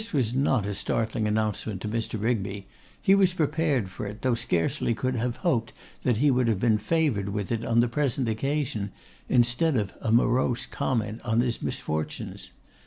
This was not a startling announcement to Mr. Rigby; he was prepared for it, though scarcely could have hoped that he would have been favoured with it on the present occasion, instead of a morose comment on his misfortunes.